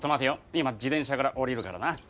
今自転車から降りるからな。